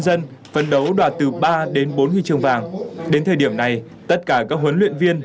dân phân đấu đoạt từ ba đến bốn huy chương vàng đến thời điểm này tất cả các huấn luyện viên